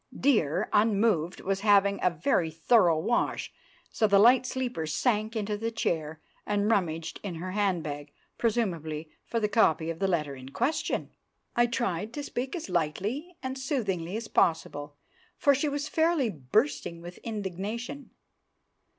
Dear, unmoved, was having a very thorough wash. So the light sleeper sank into the chair and rummaged in her hand bag, presumably for the copy of the letter in question. I tried to speak as lightly and soothingly as possible, for she was fairly bursting with indignation!